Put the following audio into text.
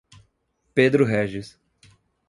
Pedro Régis